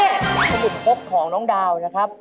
สรุปพบของน้องดาวนะครับ